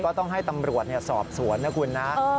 ต้องให้ตำรวจสอบสวนนะคุณนะ